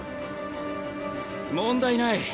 問題ない。